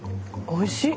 おいしい！